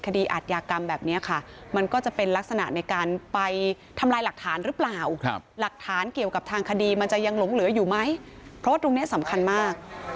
คดีอัธยากรรมแบบนี้ค่ะมันก็จะเป็นลักษณะในการไปทำลายหลักฐานหรือเปล่า